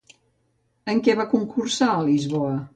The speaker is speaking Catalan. En què va concursar a Lisboa?